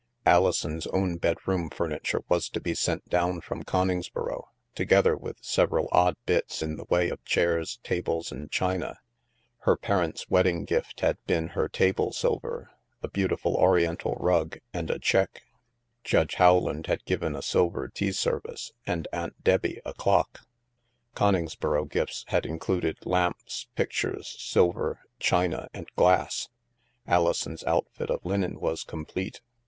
Alison's own bedroom furniture was to be sent down from Coningsboro, together with several odd bits in the way of chairs, tables, and china. Her parents' wedding gift had been her table silver, a beautiful Oriental rug, and a cheque. Judge How land had given a silver tea service, and Aunt Debbie THE MAELSTROM 125 a clock. Coningsboro gifts had included lamps, pic tures, silver, china, and glass. Alison's outfit of linen was complete.